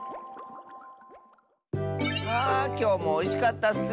あきょうもおいしかったッス。